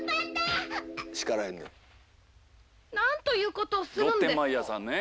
何ということをするんですか！